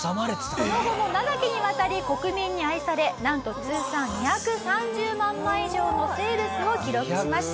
その後も長きにわたり国民に愛されなんと通算２３０万枚以上のセールスを記録しました。